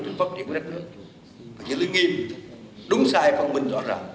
cho phát triển kinh tế châu âu một mươi chín như lưu nghiêm đúng sai phân minh rõ ràng